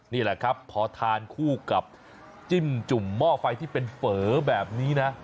นี่แหละครับพอทานคู่กับจิ้มจุ่มหม้อไฟที่เป็นเฝอแบบนี้นะ